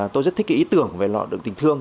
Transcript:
tôi rất thích ý tưởng về lọ đựng yêu thương